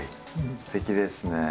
すてきですね。